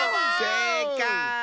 せいかい。